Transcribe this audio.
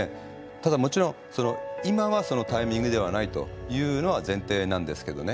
ただもちろんその今はそのタイミングではないというのは前提なんですけどね。